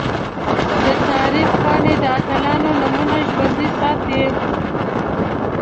د تاریخ پاڼې د اتلانو نومونه ژوندۍ ساتي.